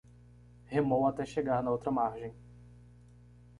Remou até chegar na outra margem